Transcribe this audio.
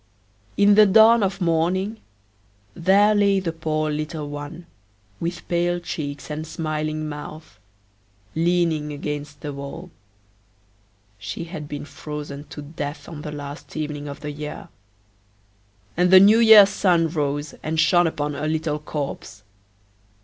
In the dawn of morning there lay the poor little one, with pale cheeks and smiling mouth, leaning against the wall; she had been frozen to death on the last evening of the year; and the New year's sun rose and shone upon a little corpse!